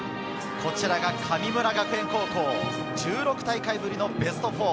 神村学園高校、１６大会ぶりのベスト４。